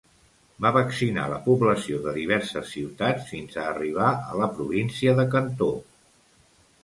Va vaccinar la població de diverses ciutats fins a arribar a la província de Cantó.